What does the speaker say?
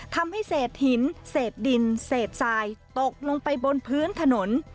ทำให้เศษหินเศษดินเศษทรายตกลงไปบนพื้นถนน